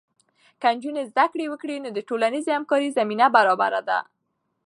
که نجونې زده کړه وکړي، نو د ټولنیزې همکارۍ زمینه برابره ده.